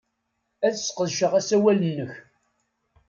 Ad sqedceɣ asawal-nnek.